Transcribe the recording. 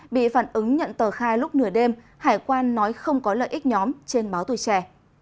bị phản ứng nhận tờ khai lúc nửa đêm hải quan nói không có lợi ích nhóm trên báo tuổi trẻ